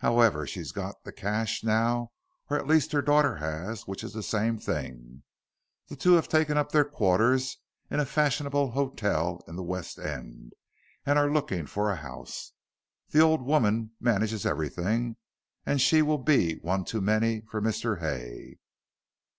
However, she's got the cash now or at least her daughter has, which is the same thing. The two have taken up their quarters in a fashionable hotel in the West End, and are looking for a house. The old woman manages everything, and she will be one too many for Mr. Hay."